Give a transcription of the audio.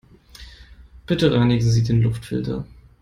Bitte reinigen Sie den Luftfilter.